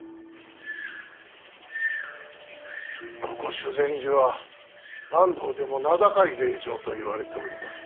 ここ修善寺は坂東でも名高い霊場といわれております。